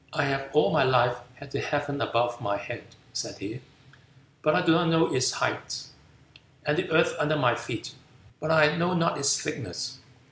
"I have all my life had the heaven above my head," said he, "but I do not know its height; and the earth under my feet, but I know not its thickness.